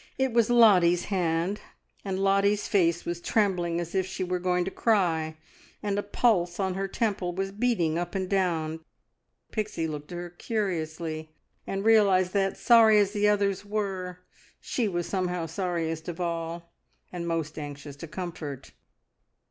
It was Lottie's hand, and Lottie's face was trembling as if she were going to cry, and a pulse on her temple was beating up and down, Pixie looked at her curiously, and realised that, sorry as the others were, she was somehow sorriest of all, and most anxious to comfort.